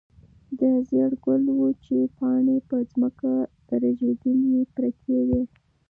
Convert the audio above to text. د زېړ ګل وچې پاڼې په ځمکه رژېدلې پرتې وې.